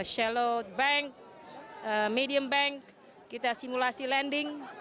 shalload bank medium bank kita simulasi landing